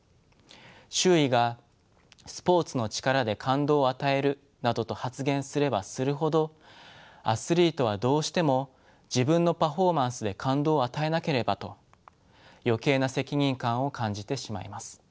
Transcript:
周囲が「スポーツの力で感動を与える」などと発言すればするほどアスリートはどうしても「自分のパフォーマンスで感動を与えなければ」と余計な責任感を感じてしまいます。